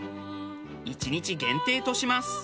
１日限定とします。